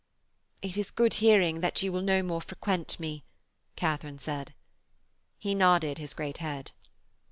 'It is good hearing that you will no more frequent me,' Katharine said. He nodded his great head.